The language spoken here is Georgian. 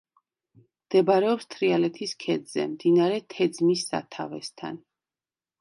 მდებარეობს თრიალეთის ქედზე, მდინარე თეძმის სათავესთან.